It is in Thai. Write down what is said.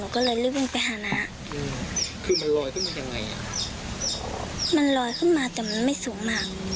คนที่เราเคยฝันไหม